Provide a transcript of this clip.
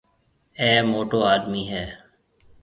اَي موٽو آڏمِي هيَ۔